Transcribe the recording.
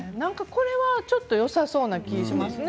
これはよさそうな気がしますね。